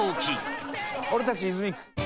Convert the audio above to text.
「俺たち泉区」